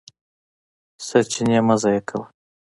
سرچینې مه ضایع کوه.